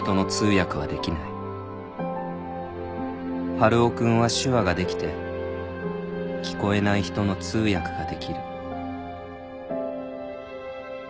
「春尾君は手話ができて聞こえない人の通訳ができる」